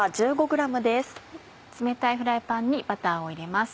冷たいフライパンにバターを入れます。